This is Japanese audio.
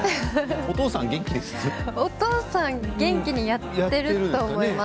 お父さん元気にやっていると思います。